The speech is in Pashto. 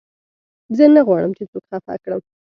زه نه غواړم، چي څوک خفه کړم.